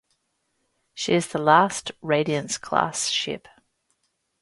She is the last Radiance class ship.